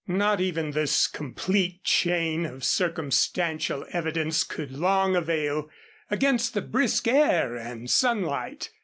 Not even this complete chain of circumstantial evidence could long avail against the brisk air and sunlight.